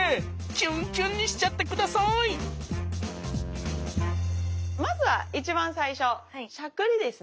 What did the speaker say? キュンキュンにしちゃって下さいまずは一番最初しゃくりですね。